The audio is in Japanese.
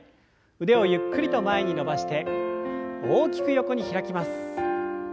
腕をゆっくりと前に伸ばして大きく横に開きます。